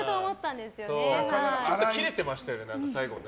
ちょっとキレてましたよね、最後ね。